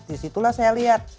disitulah saya lihat